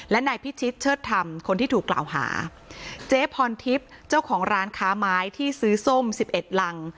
และนายพิชิตเชิดธรรมคนที่ถูกกล่าวหาเจ๊พรทิพย์เจ้าของร้านค้าไม้ที่ซื้อส้มสิบเอ็ดรัง